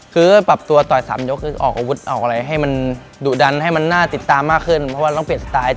มือตั้งรับมันจะหวัด๒เนี่ย